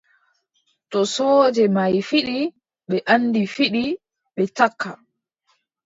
To sooje mahi fiɗi, ɓe anndi fiɗi, ɓe takka.